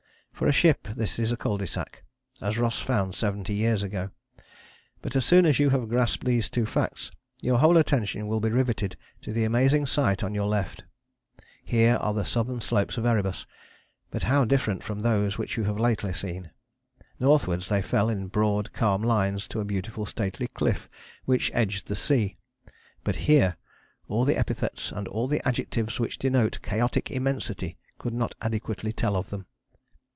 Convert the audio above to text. For a ship this is a cul de sac, as Ross found seventy years ago. But as soon as you have grasped these two facts your whole attention will be riveted to the amazing sight on your left. Here are the southern slopes of Erebus; but how different from those which you have lately seen. Northwards they fell in broad calm lines to a beautiful stately cliff which edged the sea. But here all the epithets and all the adjectives which denote chaotic immensity could not adequately tell of them.